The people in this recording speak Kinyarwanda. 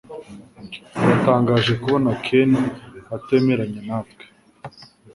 Biratangaje kubona Ken atemeranya natwe.